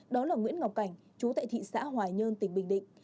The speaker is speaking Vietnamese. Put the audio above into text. đó là nguyễn ngọc cảnh chú tại thị xã hòa nhơn tỉnh bình định